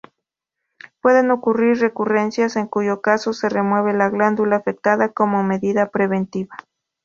Pueden ocurrir recurrencias, en cuyo caso se remueve la glándula afectada como medida preventiva.